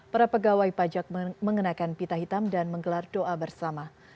para pegawai pajak mengenakan pita hitam dan menggelar doa bersama